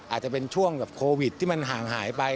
อาจจะเป็นช่วงโควิดที่มันห่างหายไป